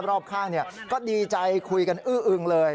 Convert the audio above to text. รอบข้างก็ดีใจคุยกันอื้ออึงเลย